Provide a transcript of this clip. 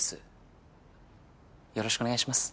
よろしくお願いします。